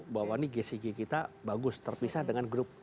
bahwa ini gcg kita bagus terpisah dengan grup